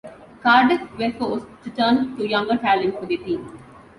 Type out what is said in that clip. Cardiff were forced to turn to younger talent for their team.